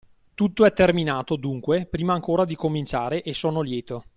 Tutto è terminato, dunque, prima ancora di cominciare e sono lieto.